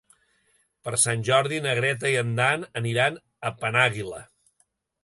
Per Sant Jordi na Greta i en Dan aniran a Penàguila.